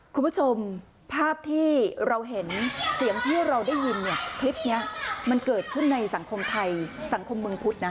คุณผู้ชมภาพที่เราเห็นเสียงที่เราได้ยินเนี่ยคลิปนี้มันเกิดขึ้นในสังคมไทยสังคมเมืองพุทธนะ